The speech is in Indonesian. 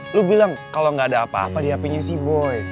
lu bilang kalau gak ada apa apa di apinya si boy